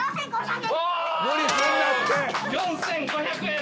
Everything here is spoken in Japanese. ４，５００円。